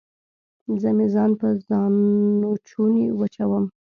زه مې ځان په ځانوچوني وچوم